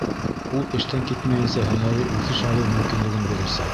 Ул эштән китмәйенсә һөнәри үҫеш алыу мөмкинлеген бирәсәк.